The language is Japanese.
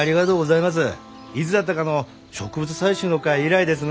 いつだったかの植物採集の会以来ですな。